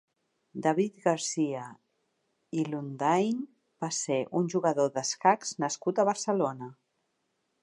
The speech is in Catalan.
David García Ilundain va ser un jugador d'escacs nascut a Barcelona.